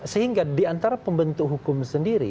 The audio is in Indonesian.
sehingga diantara pembentuk hukum sendiri